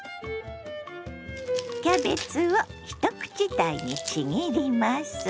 キャベツを一口大にちぎります。